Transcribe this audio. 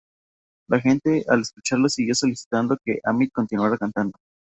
La gente al escucharlo, siguió solicitando que Amit continuara cantando.